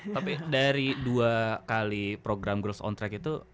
tapi dari dua kali program girls on track itu